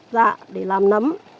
dạ để làm nấm